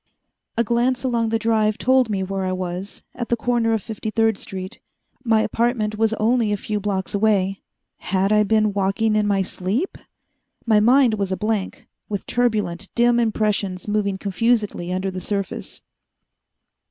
A glance along the Drive told me where I was, at the corner of Fifty third street. My apartment was only a few blocks away. Had I been walking in my sleep? My mind was a blank, with turbulent, dim impressions moving confusedly under the surface.